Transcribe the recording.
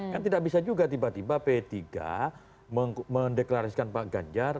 kan tidak bisa juga tiba tiba p tiga mendeklarasikan pak ganjar